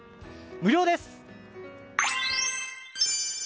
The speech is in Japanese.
無料です！